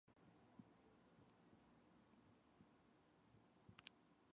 She received her first education in Rotterdam.